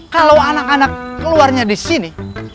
kalau anak anak keluarnya di sini